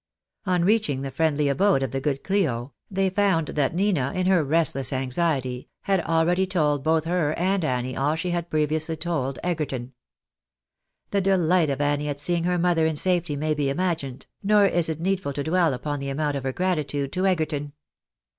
On reaching the friendly abode of the good Clio, they found that Nina, in her restless anxiety, had already told both her and Annie all she had previously told Egerton. The delight of Annie at seeing her mother in safety may be imagined, nor is it needful to dwell upon the amount of her gratitude to Egerton.